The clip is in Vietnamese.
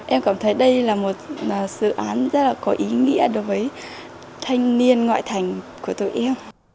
em cảm thấy đây là một dự án rất là có ý nghĩa đối với thanh niên ngoại thành của tụi em